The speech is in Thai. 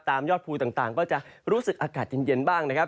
ยอดภูต่างก็จะรู้สึกอากาศเย็นบ้างนะครับ